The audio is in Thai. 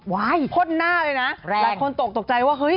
พ่นหน้าเลยนะหลายคนตกตกใจว่าเฮ้ย